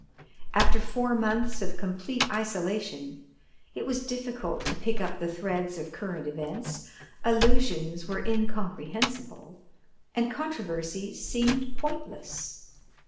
After four months of complete isolation it was difficult to pick up the threads of current events, allusions were incomprehensible, and controversies seemed pointless.